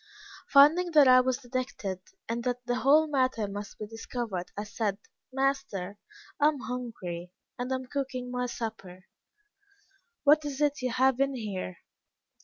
Finding that I was detected, and that the whole matter must be discovered, I said, 'Master, I am hungry, and am cooking my supper.' 'What is it you have in here?'